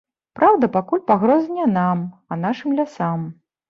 Праўда, пакуль пагроза не нам, а нашым лясам.